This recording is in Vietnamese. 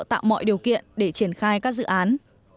tạo mọi điều kiện để triển khai các dự án